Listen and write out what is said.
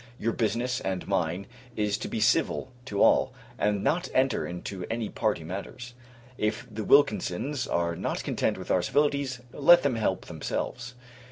Your business, and mine, is to be civil to all, and not enter into any party matters. If the Wilkinsons are not content with our civilities, let them help themselves.